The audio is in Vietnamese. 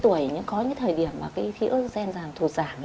nhưng mà khi đến cái tuổi có những thời điểm mà cái estrogen giảm thụt giảm